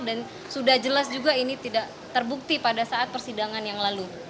sudah jelas juga ini tidak terbukti pada saat persidangan yang lalu